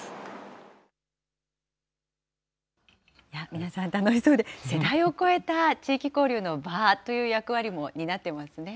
皆さん、楽しそうで、世代を超えた地域交流の場という役割も担ってますね。